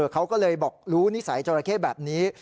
เขาก็เลยบอกรู้นิสัยจราเข้แบบนี้